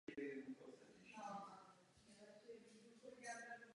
Poté se vila stala sídlem Obchodní a průmyslové komory.